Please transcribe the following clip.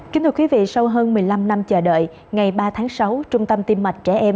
kính thưa quý vị sau hơn một mươi năm năm chờ đợi ngày ba tháng sáu trung tâm tiêm mạch trẻ em